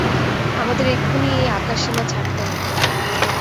আমাদের এক্ষুণি এই আকাশসীমা ছাড়তে হবে।